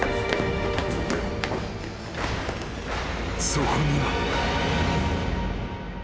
［そこには］